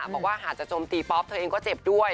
บอกว่าหากจะโจมตีป๊อปเธอเองก็เจ็บด้วย